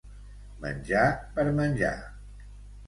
Menjar per menjar.